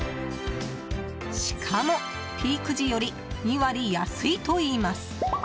しかも、ピーク時より２割安いといいます。